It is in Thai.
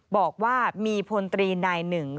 บอกว่ามีพลตรีนายหนึ่ง